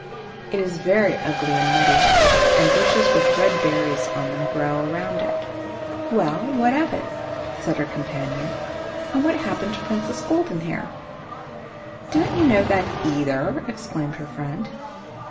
It is very ugly and muddy, and bushes with red berries on them grow around it." "Well, what of that?" said her companion; "and what happened to the Princess Goldenhair?" "Don't you know that, either?" exclaimed her friend.